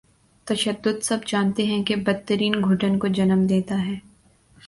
تشدد سب جانتے ہیں کہ بد ترین گھٹن کو جنم دیتا ہے۔